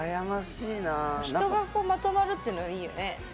人がまとまるっていうのがいいよね。